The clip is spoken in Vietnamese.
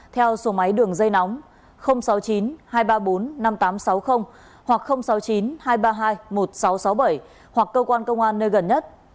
theo số máy đường dây nóng sáu mươi chín hai trăm ba mươi bốn năm nghìn tám trăm sáu mươi hoặc sáu mươi chín hai trăm ba mươi hai một nghìn sáu trăm sáu mươi bảy hoặc cơ quan công an nơi gần nhất